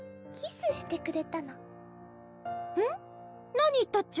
何言ったっちゃ？